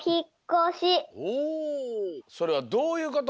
それはどういうこと？